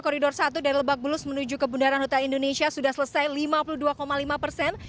koridor satu dari lebak bulus menuju ke bundaran hotel indonesia sudah selesai lima puluh dua lima persen